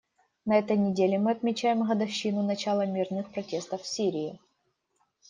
На этой неделе мы отмечаем годовщину начала мирных протестов в Сирии.